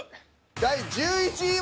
第１１位は。